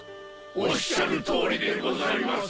おっしゃるとおりでございます